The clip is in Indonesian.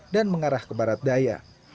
dan mengarah ke barat daya